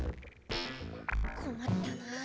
こまったなぁ。